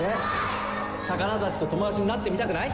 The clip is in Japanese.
・魚たちと友達になってみたくない？